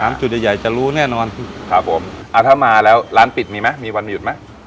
จุดใหญ่ใหญ่จะรู้แน่นอนครับผมอ่าถ้ามาแล้วร้านปิดมีไหมมีวันหยุดไหม